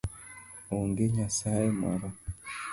Onge nyasaye moro.